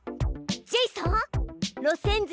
ジェイソン！